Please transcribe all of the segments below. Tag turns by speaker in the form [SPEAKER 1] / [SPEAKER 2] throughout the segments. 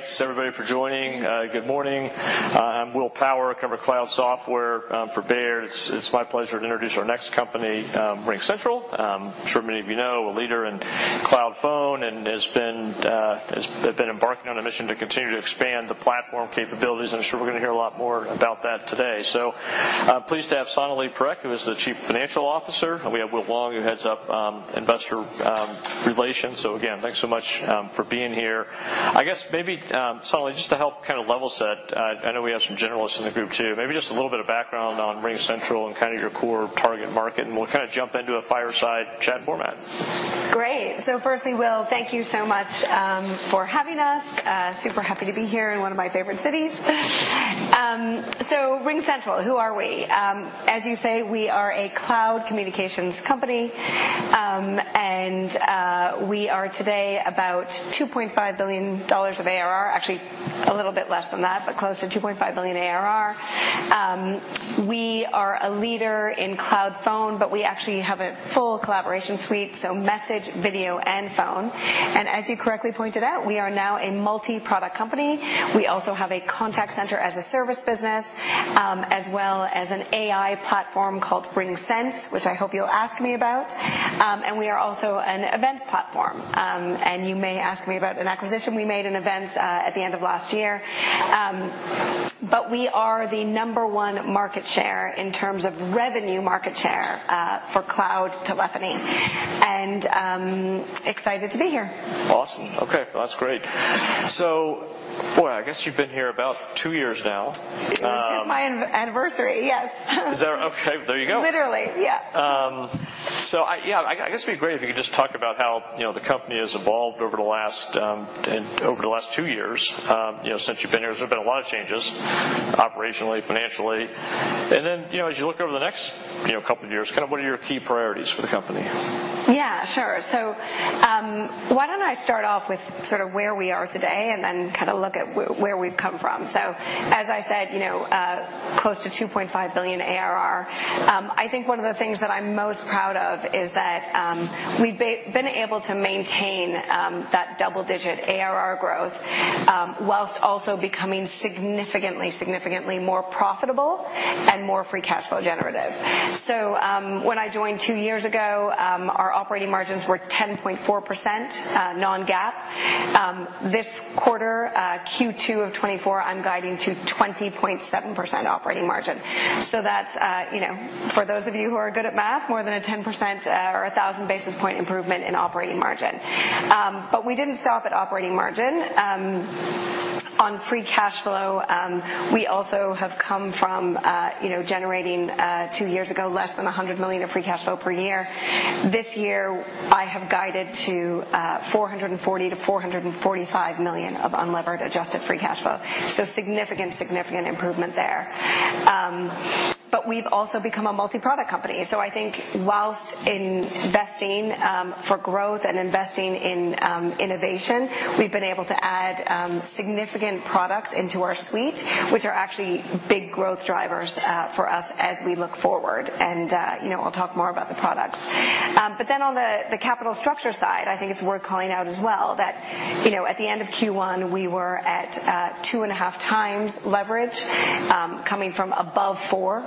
[SPEAKER 1] Thanks, everybody, for joining. Good morning. I'm Will Power. I cover cloud software for Baird. It's my pleasure to introduce our next company, RingCentral. I'm sure many of you know, a leader in cloud phone and they've been embarking on a mission to continue to expand the platform capabilities, and I'm sure we're gonna hear a lot more about that today. So, pleased to have Sonalee Parekh, who is the Chief Financial Officer, and we have Will Wong, who heads up investor relations. So again, thanks so much for being here. I guess maybe, Sonalee, just to help kind of level set, I know we have some generalists in the group, too. Maybe just a little bit of background on RingCentral and kind of your core target market, and we'll kind of jump into a fireside chat format.
[SPEAKER 2] Great. So firstly, Will, thank you so much for having us. Super happy to be here in one of my favorite cities. So RingCentral, who are we? As you say, we are a cloud communications company. And we are today about $2.5 billion of ARR. Actually, a little bit less than that, but close to $2.5 billion ARR. We are a leader in cloud phone, but we actually have a full collaboration suite, so message, video, and phone. And as you correctly pointed out, we are now a multi-product company. We also have a contact center as a service business, as well as an AI platform called RingSense, which I hope you'll ask me about. And we are also an events platform. You may ask me about an acquisition we made in events, at the end of last year. But we are the number one market share in terms of revenue market share, for cloud telephony, and excited to be here.
[SPEAKER 1] Awesome. Okay, well, that's great. So boy, I guess you've been here about two years now.
[SPEAKER 2] It's my anniversary, yes.
[SPEAKER 1] Is that okay? There you go.
[SPEAKER 2] Literally, yeah.
[SPEAKER 1] Yeah, I guess it'd be great if you could just talk about how, you know, the company has evolved over the last, and over the last two years. You know, since you've been here, there's been a lot of changes operationally, financially. And then, you know, as you look over the next, you know, couple of years, kind of what are your key priorities for the company?
[SPEAKER 2] Yeah, sure. So, why don't I start off with sort of where we are today and then kind of look at where we've come from. So, as I said, you know, close to $2.5 billion ARR. I think one of the things that I'm most proud of is that, we've been able to maintain that double-digit ARR growth, whilst also becoming significantly, significantly more profitable and more free cash flow generative. So, when I joined two years ago, our operating margins were 10.4%, non-GAAP. This quarter, Q2 of 2024, I'm guiding to 20.7% operating margin. So that's, you know, for those of you who are good at math, more than a 10%, or a 1,000 basis point improvement in operating margin. But we didn't stop at operating margin. On free cash flow, we also have come from, you know, generating, two years ago, less than $100 million of free cash flow per year. This year, I have guided to $440 million-$445 million of unlevered adjusted free cash flow, so significant, significant improvement there. But we've also become a multi-product company. So I think whilst investing, for growth and investing in, innovation, we've been able to add, significant products into our suite, which are actually big growth drivers, for us as we look forward. And, you know, I'll talk more about the products. But then on the, the capital structure side, I think it's worth calling out as well, that, you know, at the end of Q1, we were at, 2.5x leverage, coming from above four,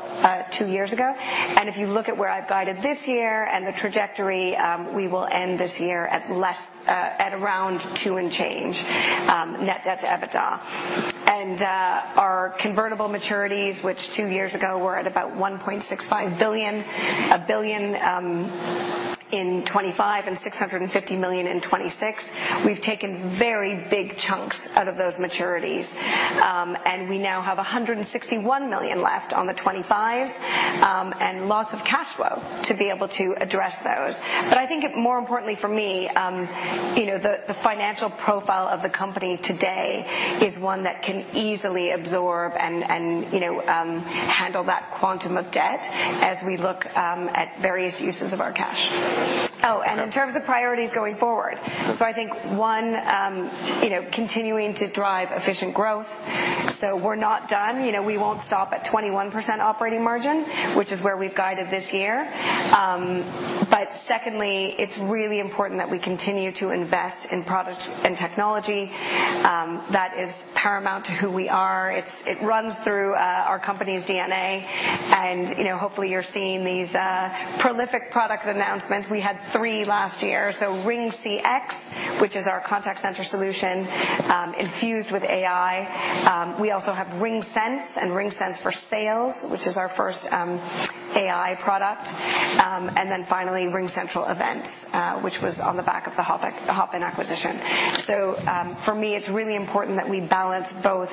[SPEAKER 2] two years ago. And if you look at where I've guided this year and the trajectory, we will end this year at less, at around two and change, net debt to EBITDA. And, our convertible maturities, which two years ago were at about $1.65 billion, a billion, in 2025 and $650 million in 2026. We've taken very big chunks out of those maturities, and we now have $161 million left on the 2025, and lots of cash flow to be able to address those. But I think more importantly for me, you know, the financial profile of the company today is one that can easily absorb and you know handle that quantum of debt as we look at various uses of our cash. Oh, and in terms of priorities going forward, so I think one you know continuing to drive efficient growth. So we're not done. You know, we won't stop at 21% operating margin, which is where we've guided this year. But secondly, it's really important that we continue to invest in product and technology. That is paramount to who we are. It runs through our company's DNA, and you know hopefully you're seeing these prolific product announcements. We had three last year: so RingCX, which is our contact center solution, infused with AI. We also have RingSense and RingSense for Sales, which is our first AI product. And then finally, RingCentral Events, which was on the back of the Hopin, the Hopin acquisition. So, for me, it's really important that we balance both,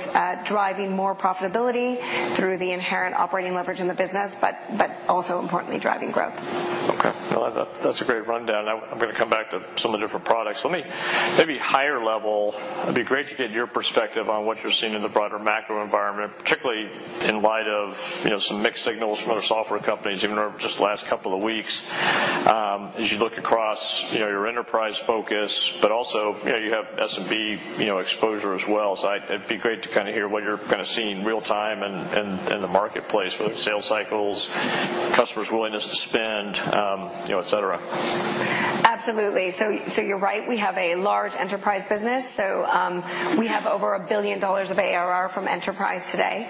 [SPEAKER 2] driving more profitability through the inherent operating leverage in the business, but, but also importantly, driving growth.
[SPEAKER 1] Okay. Well, I thought that's a great rundown. I, I'm gonna come back to some of the different products. Let me, maybe higher level, it'd be great to get your perspective on what you're seeing in the broader macro environment, particularly in light of, you know, some mixed signals from other software companies, even over just the last couple of weeks. As you look across, you know, your enterprise focus, but also, you know, you have SMB, you know, exposure as well. So I- it'd be great to kind of hear what you're kind of seeing real-time in, in, in the marketplace, whether it's sales cycles, customers' willingness to spend, you know, et cetera.
[SPEAKER 2] Absolutely. You're right, we have a large enterprise business. We have over $1 billion of ARR from enterprise today.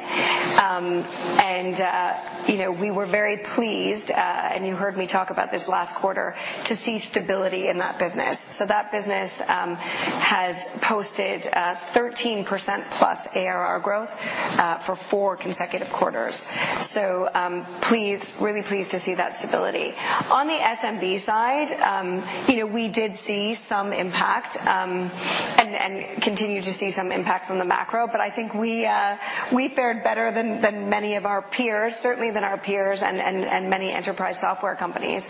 [SPEAKER 2] You know, we were very pleased, and you heard me talk about this last quarter, to see stability in that business. That business has posted 13%+ ARR growth for four consecutive quarters. Pleased, really pleased to see that stability. On the SMB side, you know, we did see some impact, and continue to see some impact from the macro, but I think we fared better than many of our peers, certainly than our peers and many enterprise software companies.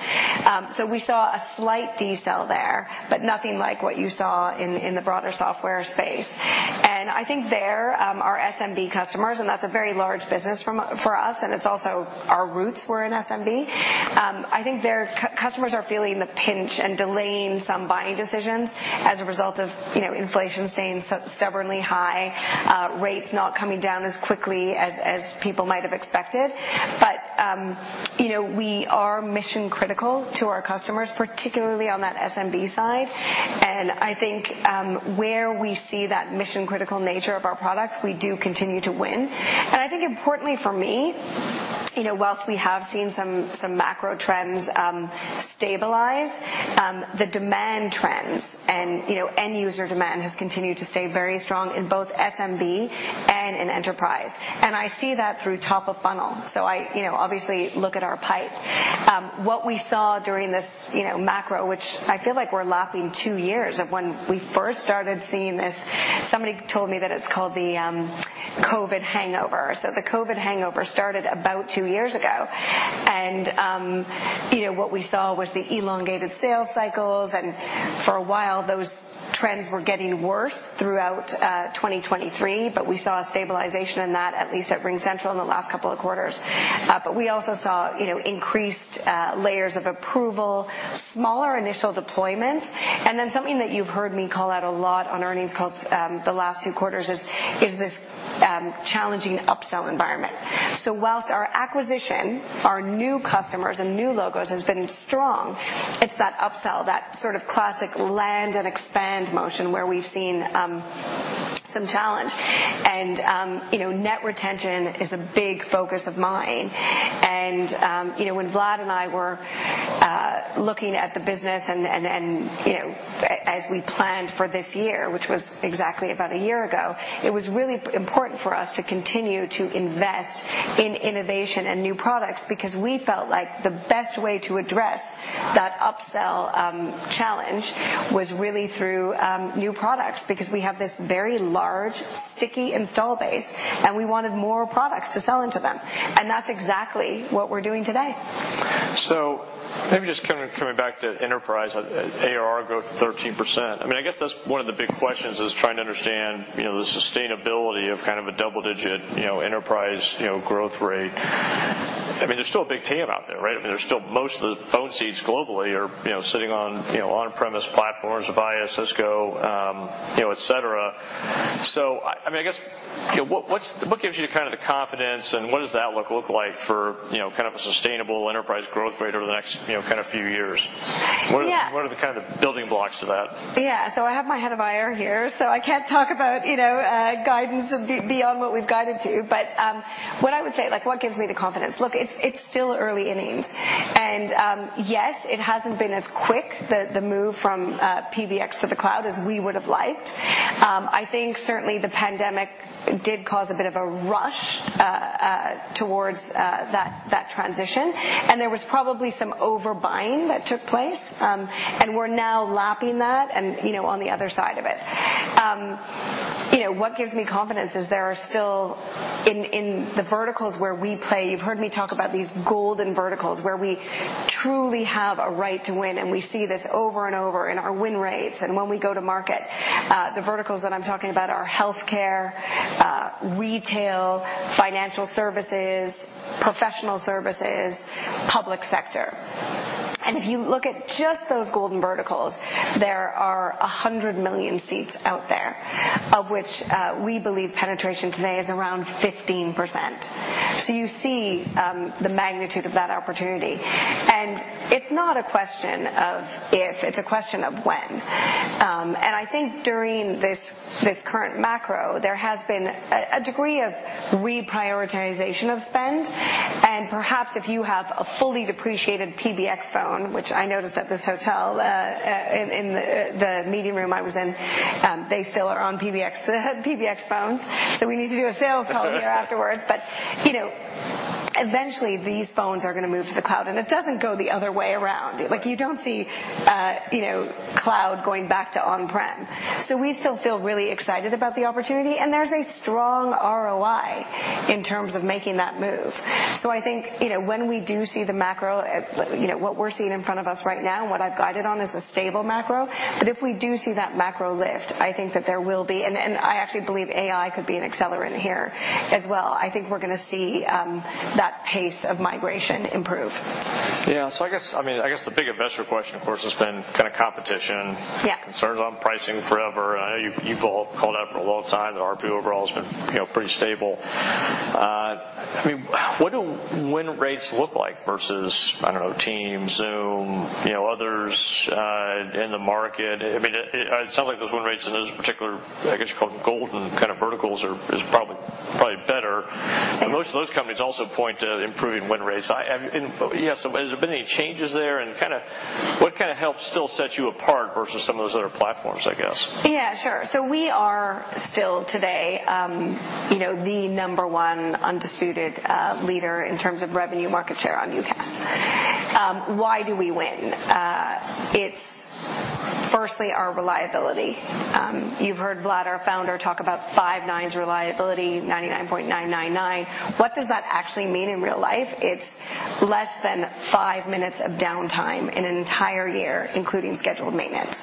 [SPEAKER 2] We saw a slight decel there, but nothing like what you saw in the broader software space. And I think there, our SMB customers, and that's a very large business for us, and it's also our roots were in SMB. I think their customers are feeling the pinch and delaying some buying decisions as a result of, you know, inflation staying stubbornly high, rates not coming down as quickly as people might have expected. But, you know, we are mission-critical to our customers, particularly on that SMB side, and I think, where we see that mission-critical nature of our products, we do continue to win. And I think importantly for me. You know, whilst we have seen some macro trends stabilize, the demand trends and, you know, end user demand has continued to stay very strong in both SMB and in enterprise. And I see that through top of funnel. So I, you know, obviously, look at our pipe. What we saw during this, you know, macro, which I feel like we're lapping two years of when we first started seeing this, somebody told me that it's called the COVID hangover. So the COVID hangover started about two years ago, and, you know, what we saw was the elongated sales cycles, and for a while, those trends were getting worse throughout 2023, but we saw a stabilization in that, at least at RingCentral, in the last couple of quarters. But we also saw, you know, increased layers of approval, smaller initial deployments, and then something that you've heard me call out a lot on earnings calls, the last two quarters is this challenging upsell environment. So while our acquisition, our new customers and new logos has been strong, it's that upsell, that sort of classic land and expand motion, where we've seen some challenge. And, you know, net retention is a big focus of mine. And, you know, when Vlad and I were looking at the business and, you know, as we planned for this year, which was exactly about a year ago, it was really important for us to continue to invest in innovation and new products, because we felt like the best way to address that upsell challenge was really through new products, because we have this very large, sticky installed base, and we wanted more products to sell into them. And that's exactly what we're doing today.
[SPEAKER 1] So maybe just coming back to enterprise AR growth 13%. I mean, I guess that's one of the big questions, is trying to understand, you know, the sustainability of kind of a double-digit, you know, enterprise, you know, growth rate. I mean, there's still a big TAM out there, right? I mean, there's still most of the phone seats globally are, you know, sitting on, you know, on-premise platforms, Avaya, Cisco, you know, et cetera. So I mean, I guess, you know, what gives you kind of the confidence, and what does that look like for, you know, kind of a sustainable enterprise growth rate over the next, you know, kind of few years?
[SPEAKER 2] Yeah.
[SPEAKER 1] What are the kind of building blocks of that?
[SPEAKER 2] Yeah. So I have my head of IR here, so I can't talk about, you know, guidance beyond what we've guided to. But what I would say, like, what gives me the confidence? Look, it's still early innings. And yes, it hasn't been as quick, the move from PBX to the cloud, as we would have liked. I think certainly the pandemic did cause a bit of a rush towards that transition, and there was probably some overbuying that took place, and we're now lapping that and, you know, on the other side of it. You know, what gives me confidence is there are still, in the verticals where we play, you've heard me talk about these golden verticals, where we truly have a right to win, and we see this over and over in our win rates and when we go to market. The verticals that I'm talking about are healthcare, retail, financial services, professional services, public sector. And if you look at just those golden verticals, there are 100 million seats out there, of which we believe penetration today is around 15%. So you see the magnitude of that opportunity. And it's not a question of if, it's a question of when. And I think during this current macro, there has been a degree of reprioritization of spend. And perhaps if you have a fully depreciated PBX phone, which I noticed at this hotel, in the meeting room I was in, they still are on PBX, PBX phones, so we need to do a sales call here afterwards. But, you know, eventually, these phones are gonna move to the cloud, and it doesn't go the other way around. Like, you don't see, you know, cloud going back to on-prem. So we still feel really excited about the opportunity, and there's a strong ROI in terms of making that move. So I think, you know, when we do see the macro, you know, what we're seeing in front of us right now and what I've guided on is a stable macro. But if we do see that macro lift, I think that there will be... And I actually believe AI could be an accelerant here as well. I think we're gonna see that pace of migration improve.
[SPEAKER 1] Yeah. So I guess, I mean, I guess the big investor question, of course, has been kinda competition-
[SPEAKER 2] Yeah.
[SPEAKER 1] Concerns on pricing forever. I know you, you've all called out for a long time that RPU overall has been, you know, pretty stable. I mean, what do win rates look like versus, I don't know, Teams, Zoom, you know, others, in the market? I mean, it sounds like those win rates in those particular, I guess, you call them golden kind of verticals are, is probably, probably better. But most of those companies also point to improving win rates. And, yes, has there been any changes there? And kinda, what kinda helps still set you apart versus some of those other platforms, I guess? Yeah, sure. So we are still today, you know, the number one undisputed leader in terms of revenue market share on UCaaS. Why do we win? It's firstly, our reliability. You've heard Vlad, our founder, talk about five nines reliability, 99.999. What does that actually mean in real life? It's less than five minutes of downtime in an entire year, including scheduled maintenance.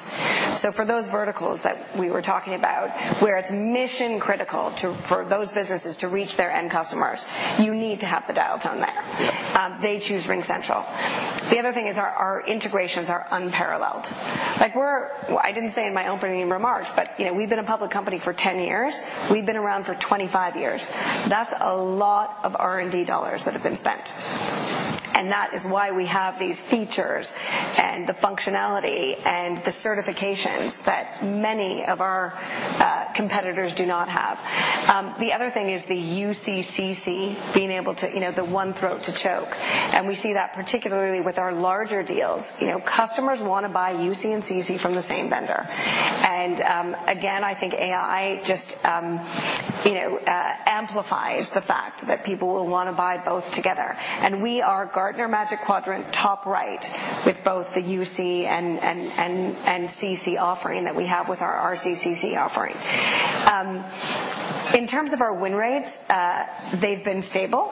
[SPEAKER 1] So for those verticals that we were talking about, where it's mission-critical to, for those businesses to reach their end customers, you need to have the dial tone there. Yeah.
[SPEAKER 2] They choose RingCentral. The other thing is our integrations are unparalleled. Like, we're... I didn't say in my opening remarks, but, you know, we've been a public company for 10 years. We've been around for 25 years. That's a lot of R&D dollars that have been spent. And that is why we have these features and the functionality and the certifications that many of our competitors do not have. The other thing is the UCCC being able to, you know, the one throat to choke, and we see that particularly with our larger deals. You know, customers want to buy UCCC from the same vendor. Again, I think AI just amplifies the fact that people will want to buy both together. We are Gartner Magic Quadrant top right, with both the UC and CC offering that we have with our RCCC offering. In terms of our win rates, they've been stable.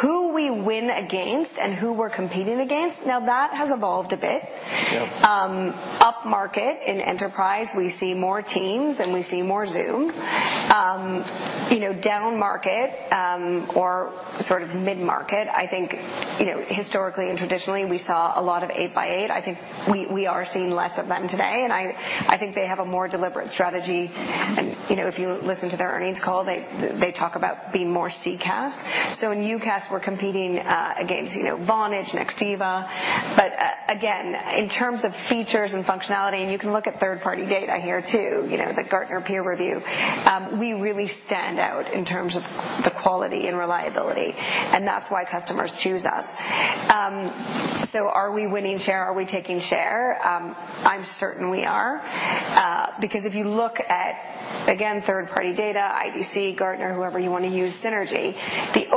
[SPEAKER 2] Who we win against and who we're competing against, now, that has evolved a bit.
[SPEAKER 1] Yeah.
[SPEAKER 2] Upmarket in enterprise, we see more Teams, and we see more Zoom. You know, downmarket, or sort of mid-market, I think, you know, historically and traditionally, we saw a lot of 8x8. I think we are seeing less of them today, and I think they have a more deliberate strategy, and, you know, if you listen to their earnings call, they talk about being more CCaaS. So in UCaaS, we're competing against, you know, Vonage, Nextiva. But, again, in terms of features and functionality, and you can look at third-party data here, too, the Gartner Peer Review, we really stand out in terms of the quality and reliability, and that's why customers choose us. So are we winning share? Are we taking share? I'm certain we are, because if you look at, again, third-party data, IBC, Gartner, whoever you want to use, Synergy,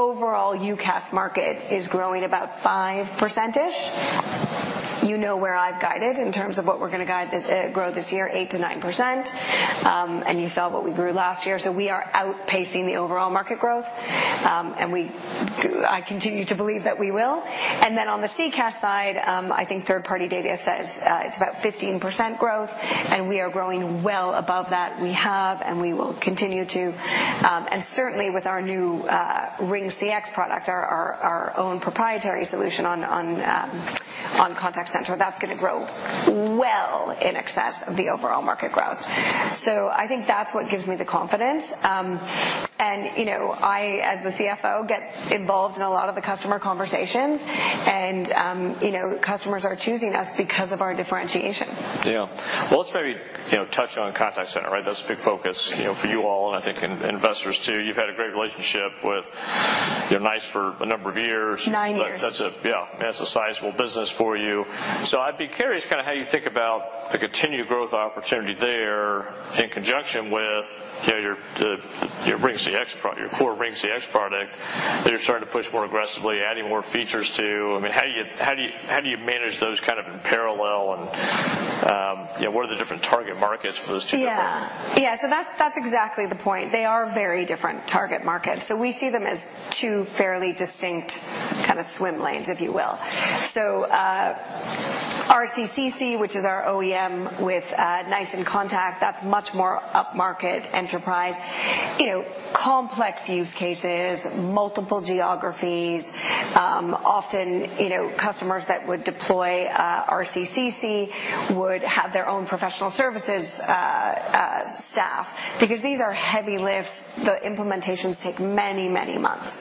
[SPEAKER 2] the overall UCaaS market is growing about 5%-ish. You know where I've guided in terms of what we're going to guide this, grow this year, 8%-9%, and you saw what we grew last year. So we are outpacing the overall market growth, and I continue to believe that we will. And then on the CCaaS side, I think third-party data says, it's about 15% growth, and we are growing well above that. We have, and we will continue to. And certainly with our new RingCX product, our own proprietary solution on contact center, that's going to grow well in excess of the overall market growth. So I think that's what gives me the confidence. And, you know, I, as the CFO, get involved in a lot of the customer conversations, and, you know, customers are choosing us because of our differentiation.
[SPEAKER 1] Yeah. Well, let's maybe, you know, touch on contact center, right? That's a big focus, you know, for you all, and I think investors, too. You've had a great relationship with, you know, NICE for a number of years.
[SPEAKER 2] Nine years.
[SPEAKER 1] Yeah, that's a sizable business for you. So I'd be curious kind of how you think about the continued growth opportunity there in conjunction with, you know, your RingCX product, your core RingCX product, that you're starting to push more aggressively, adding more features to. I mean, how do you manage those kind of in parallel? And, you know, what are the different target markets for those two different? Yeah. Yeah, so that's, that's exactly the point. They are very different target markets, so we see them as two fairly distinct kind of swim lanes, if you will. So, RCCC, which is our OEM with NICE inContact, that's much more upmarket enterprise, you know, complex use cases, multiple geographies. Often, you know, customers that would deploy RCCC would have their own professional services staff, because these are heavy lifts. The implementations take many, many months.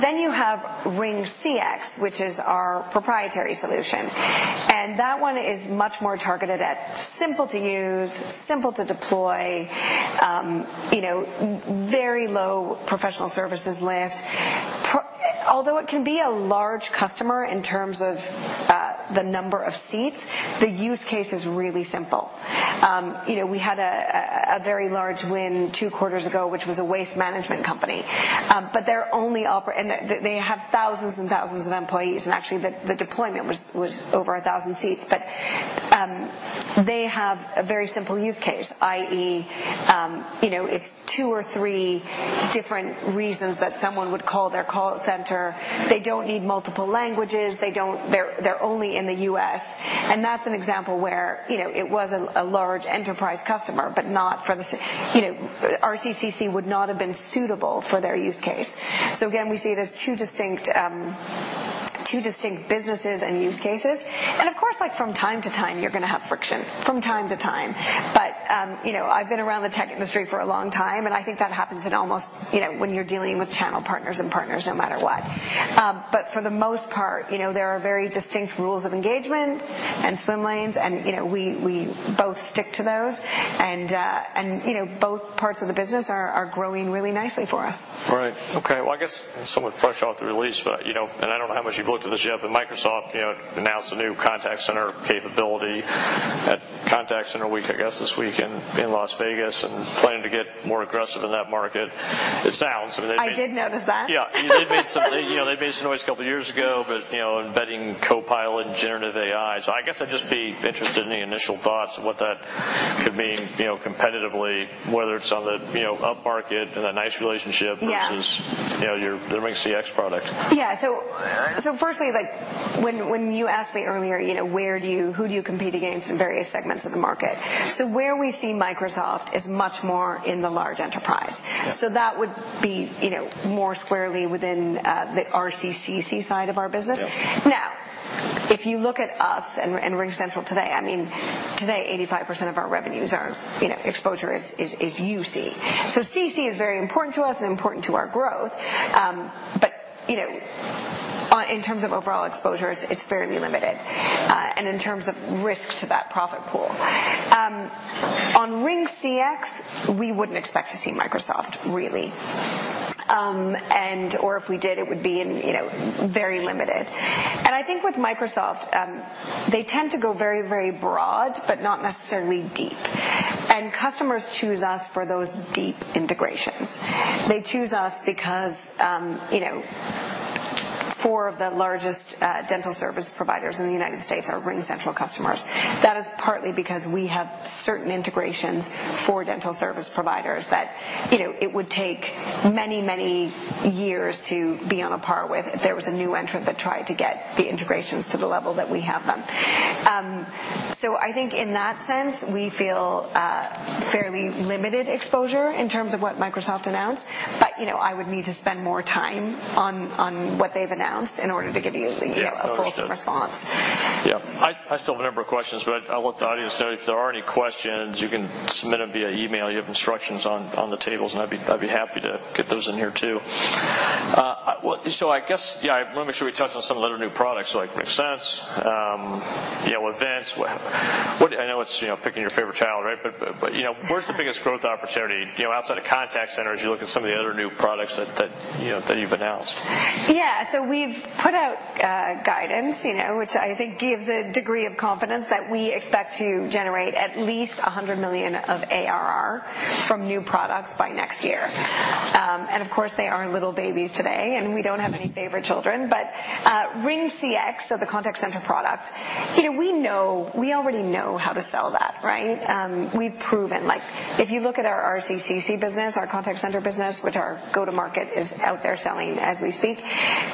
[SPEAKER 1] Then you have RingCX, which is our proprietary solution, and that one is much more targeted at simple to use, simple to deploy, you know, very low professional services lift. Although it can be a large customer in terms of the number of seats, the use case is really simple. You know, we had a very large win two quarters ago, which was a waste management company, but they have thousands and thousands of employees, and actually, the deployment was over 1,000 seats. But they have a very simple use case, i.e., you know, it's two or three different reasons that someone would call their call center. They don't need multiple languages. They don't... They're only in the U.S., and that's an example where, you know, it was a large enterprise customer, but not for the... You know, RCCC would not have been suitable for their use case. So again, we see it as two distinct businesses and use cases. And, of course, like, from time to time, you're going to have friction, from time to time. But you know, I've been around the tech industry for a long time, and I think that happens in almost, you know, when you're dealing with channel partners and partners, no matter what. But for the most part, you know, there are very distinct rules of engagement and swim lanes, and you know, we both stick to those. And you know, both parts of the business are growing really nicely for us. Right. Okay, well, I guess somewhat fresh off the release, but, you know, and I don't know how much you've looked at this yet, but Microsoft, you know, announced a new contact center capability at Contact Center Week, I guess, this week in, in Las Vegas, and planning to get more aggressive in that market. It sounds, I mean, they made-
[SPEAKER 2] I did notice that.
[SPEAKER 1] Yeah. They made some noise a couple of years ago, but, you know, embedding Copilot and generative AI. So I guess I'd just be interested in the initial thoughts of what that could mean, you know, competitively, whether it's on the, you know, upmarket and a nice relationship-
[SPEAKER 2] Yeah.
[SPEAKER 1] versus, you know, your RingCX product.
[SPEAKER 2] Yeah. So, firstly, like, when you asked me earlier, you know, where do you, who do you compete against in various segments of the market? So where we see Microsoft is much more in the large enterprise.
[SPEAKER 1] Yeah.
[SPEAKER 2] That would be, you know, more squarely within the RCCC side of our business.
[SPEAKER 1] Yeah.
[SPEAKER 2] ...If you look at us and RingCentral today, I mean, today, 85% of our revenues are, you know, exposure is UC. So CC is very important to us and important to our growth. But, you know, in terms of overall exposure, it's fairly limited, and in terms of risk to that profit pool. On RingCX, we wouldn't expect to see Microsoft, really. Or if we did, it would be in, you know, very limited. And I think with Microsoft, they tend to go very, very broad, but not necessarily deep. And customers choose us for those deep integrations. They choose us because, you know, four of the largest dental service providers in the United States are RingCentral customers. That is partly because we have certain integrations for dental service providers that, you know, it would take many, many years to be on a par with if there was a new entrant that tried to get the integrations to the level that we have them. So I think in that sense, we feel fairly limited exposure in terms of what Microsoft announced, but, you know, I would need to spend more time on what they've announced in order to give you the, you know, a full response.
[SPEAKER 1] Yeah. I, I still have a number of questions, but I'll let the audience know, if there are any questions, you can submit them via email. You have instructions on, on the tables, and I'd be, I'd be happy to get those in here, too. Well, so I guess, yeah, I want to make sure we touch on some of the other new products, like RingSense, you know, events. What- I know it's, you know, picking your favorite child, right? But, but, but, you know, where's the biggest growth opportunity, you know, outside of contact centers, you look at some of the other new products that, that, you know, that you've announced?
[SPEAKER 2] Yeah, so we've put out guidance, you know, which I think gives a degree of confidence that we expect to generate at least $100 million of ARR from new products by next year. And of course, they are little babies today, and we don't have any favorite children. But RingCX, so the contact center product, you know, we know - we already know how to sell that, right? We've proven, like, if you look at our RCCC business, our contact center business, which our go-to-market is out there selling as we speak,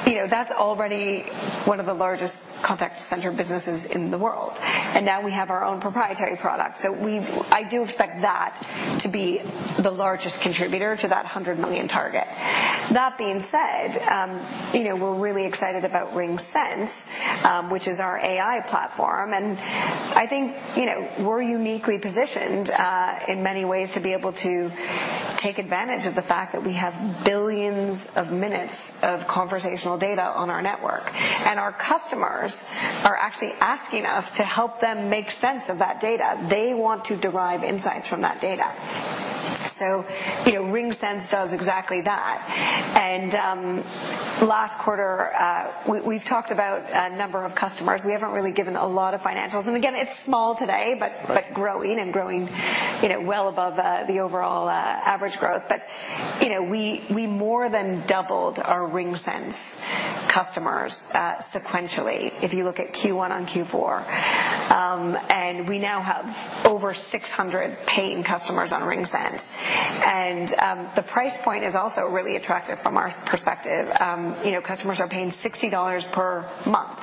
[SPEAKER 2] you know, that's already one of the largest contact center businesses in the world, and now we have our own proprietary product. So we - I do expect that to be the largest contributor to that $100 million target. That being said, you know, we're really excited about RingSense, which is our AI platform, and I think, you know, we're uniquely positioned in many ways to be able to take advantage of the fact that we have billions of minutes of conversational data on our network, and our customers are actually asking us to help them make sense of that data. They want to derive insights from that data. So, you know, RingSense does exactly that. And, last quarter, we've talked about a number of customers. We haven't really given a lot of financials, and again, it's small today, but growing and growing, you know, well above the overall average growth. But, you know, we more than doubled our RingSense customers sequentially, if you look at Q1 on Q4. And we now have over 600 paying customers on RingSense. The price point is also really attractive from our perspective. You know, customers are paying $60 per month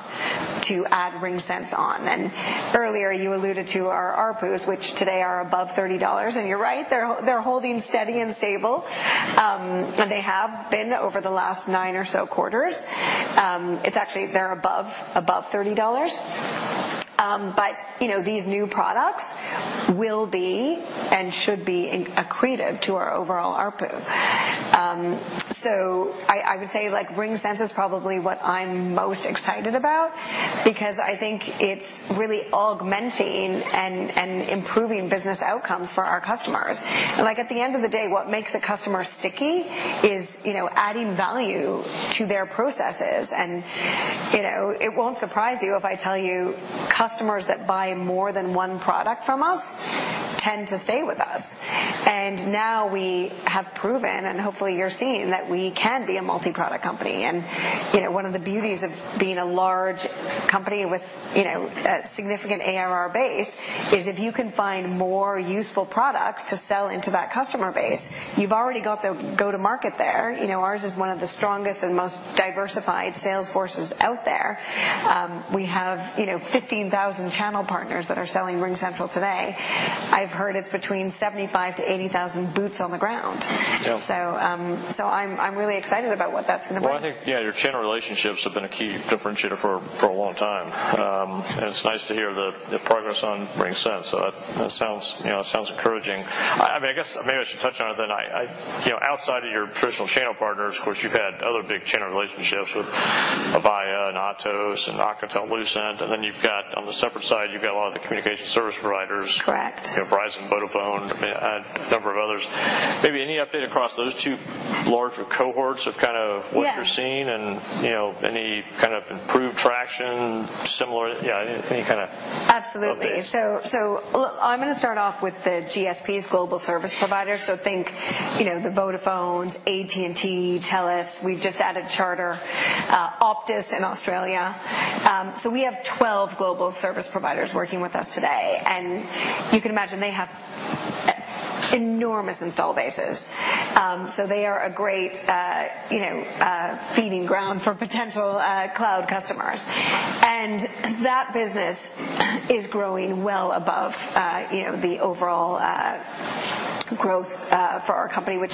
[SPEAKER 2] to add RingSense on. And earlier, you alluded to our ARPU, which today are above $30, and you're right, they're holding steady and stable. They have been over the last nine or so quarters. Actually, they're above $30. But you know, these new products will be and should be accretive to our overall ARPU. So I would say, like, RingSense is probably what I'm most excited about because I think it's really augmenting and improving business outcomes for our customers. And like, at the end of the day, what makes a customer sticky is, you know, adding value to their processes. And, you know, it won't surprise you if I tell you, customers that buy more than one product from us tend to stay with us. And now we have proven, and hopefully, you're seeing, that we can be a multi-product company. And, you know, one of the beauties of being a large company with, you know, a significant ARR base is if you can find more useful products to sell into that customer base, you've already got the go-to-market there. You know, ours is one of the strongest and most diversified sales forces out there. We have, you know, 15,000 channel partners that are selling RingCentral today. I've heard it's between 75,000-80,000 boots on the ground.
[SPEAKER 1] Yeah.
[SPEAKER 2] So, I'm really excited about what that's going to bring.
[SPEAKER 1] Well, I think, yeah, your channel relationships have been a key differentiator for a long time. And it's nice to hear the progress on RingSense. So that sounds, you know, sounds encouraging. I mean, I guess maybe I should touch on it then. You know, outside of your traditional channel partners, of course, you've had other big channel relationships with Avaya and Atos and Alcatel-Lucent, and then you've got, on the separate side, you've got a lot of the communication service providers.
[SPEAKER 2] Correct.
[SPEAKER 1] You know, Verizon, Vodafone, a number of others. Maybe any update across those two larger cohorts of kind of-
[SPEAKER 2] Yeah.
[SPEAKER 1] What you're seeing and, you know, any kind of improved traction, similar, yeah, any kind of-
[SPEAKER 2] Absolutely.
[SPEAKER 1] updates.
[SPEAKER 2] So, I'm going to start off with the GSPs, Global Service Providers, so think, you know, the Vodafones, AT&T, Telus. We've just added Charter, Optus in Australia. So we have 12 global service providers working with us today, and you can imagine they have enormous install bases. So they are a great, you know, feeding ground for potential cloud customers. And that business is growing well above, you know, the overall growth for our company, which,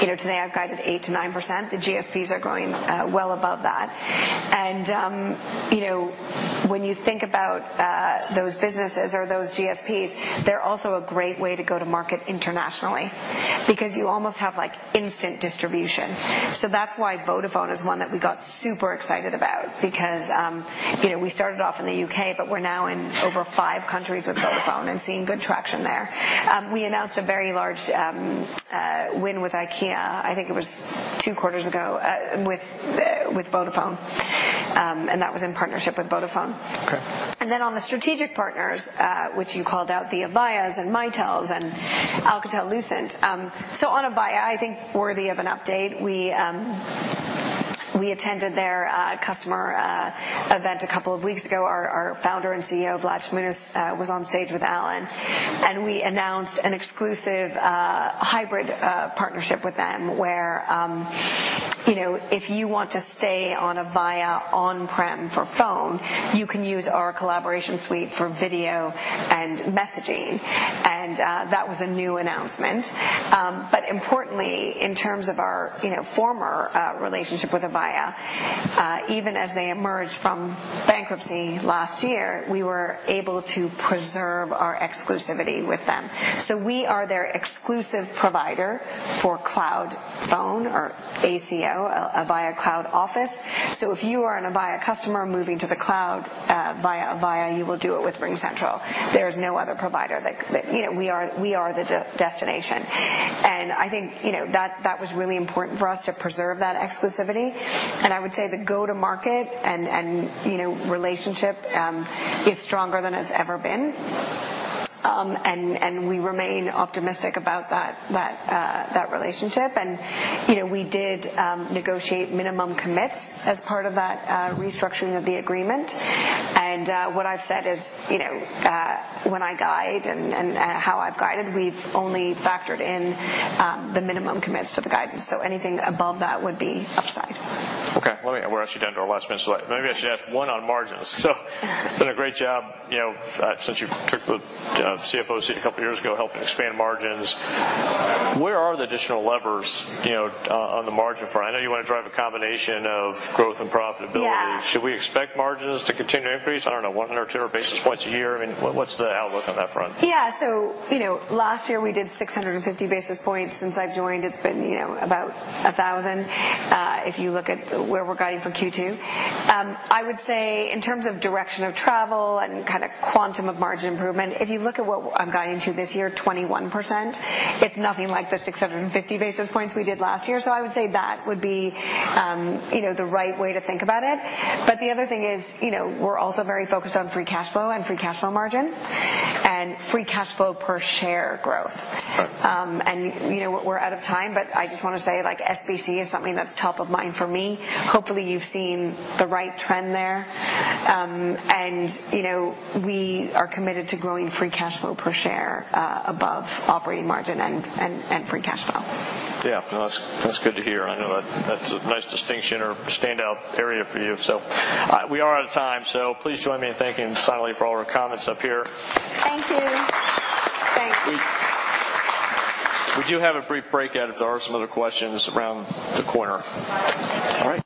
[SPEAKER 2] you know, today I've guided 8%-9%. The GSPs are growing well above that. And, you know, when you think about those businesses or those GSPs, they're also a great way to go to market internationally, because you almost have, like, instant distribution. So that's why Vodafone is one that we got super excited about because, you know, we started off in the U.K., but we're now in over five countries with Vodafone and seeing good traction there. We announced a very large win with IKEA, I think it was two quarters ago, with, with Vodafone. And that was in partnership with Vodafone.
[SPEAKER 1] Okay.
[SPEAKER 2] And then on the strategic partners, which you called out, the Avaya, Mitel, and Alcatel-Lucent. So on Avaya, I think worthy of an update, we attended their customer event a couple of weeks ago. Our founder and CEO, Vlad Shmunis, was on stage with Alan, and we announced an exclusive hybrid partnership with them. Where, you know, if you want to stay on Avaya on-prem for phone, you can use our collaboration suite for video and messaging, and that was a new announcement. But importantly, in terms of our, you know, former relationship with Avaya, even as they emerged from bankruptcy last year, we were able to preserve our exclusivity with them. So we are their exclusive provider for cloud phone or ACO, Avaya Cloud Office. So if you are an Avaya customer moving to the cloud via Avaya, you will do it with RingCentral. There is no other provider, like, you know, we are, we are the destination. And I think, you know, that, that was really important for us to preserve that exclusivity. And I would say the go-to-market and, and, you know, relationship is stronger than it's ever been. And, and we remain optimistic about that, that, that relationship. And, you know, we did negotiate minimum commits as part of that, restructuring of the agreement. And, what I've said is, you know, when I guide and, and how I've guided, we've only factored in, the minimum commits to the guidance, so anything above that would be upside.
[SPEAKER 1] Okay, let me we're actually down to our last minute, so maybe I should ask one on margins. So done a great job, you know, since you took the CFO seat a couple of years ago, helping expand margins. Where are the additional levers, you know, on the margin front? I know you want to drive a combination of growth and profitability.
[SPEAKER 2] Yeah.
[SPEAKER 1] Should we expect margins to continue to increase? I don't know, 100 or 200 basis points a year. I mean, what, what's the outlook on that front?
[SPEAKER 2] Yeah. So, you know, last year we did 650 basis points. Since I've joined, it's been, you know, about 1,000. If you look at where we're guiding for Q2. I would say in terms of direction of travel and kind of quantum of margin improvement, if you look at what I'm guiding to this year, 21%, it's nothing like the 650 basis points we did last year. So I would say that would be, you know, the right way to think about it. But the other thing is, you know, we're also very focused on free cash flow and free cash flow margin, and free cash flow per share growth.
[SPEAKER 1] Right.
[SPEAKER 2] You know, we're out of time, but I just want to say, like, SBC is something that's top of mind for me. Hopefully, you've seen the right trend there. You know, we are committed to growing free cash flow per share above operating margin and free cash flow.
[SPEAKER 1] Yeah, that's, that's good to hear. I know that's a nice distinction or standout area for you. So, we are out of time, so please join me in thanking Sonalee for all her comments up here.
[SPEAKER 2] Thank you. Thank you.
[SPEAKER 1] We do have a brief breakout, if there are some other questions, around the corner. All right.